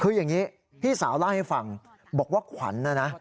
คืออย่างนี้พี่สาวเล่าให้ฟังบอกว่าขวัญนะนะ